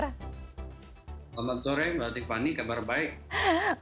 selamat sore mbak tiffany kabar baik